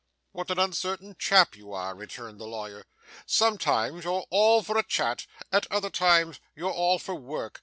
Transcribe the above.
'What an uncertain chap you are!' returned the lawyer. 'Sometimes you're all for a chat. At another time you're all for work.